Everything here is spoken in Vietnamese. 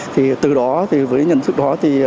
thì từ đó với nhận thức đó